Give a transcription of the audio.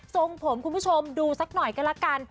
ทรงผมคุณผู้ชมดูสักหน่อยก็ละกัน